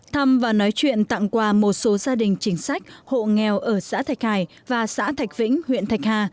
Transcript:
thăm và nói chuyện tặng quà một số gia đình chính sách hộ nghèo ở xã thạch hải và xã thạch vĩnh huyện thạch hà